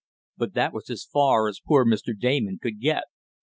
but that was as far as poor Mr. Damon could get.